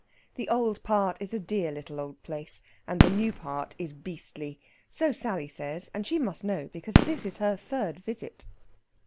The old part is a dear little old place, and the new part is beastly. So Sally says, and she must know, because this is her third visit.